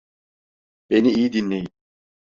Beni iyi dinleyin.